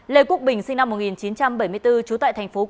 lê quốc bình sinh năm một nghìn chín trăm bảy mươi bốn chú tại tp hcm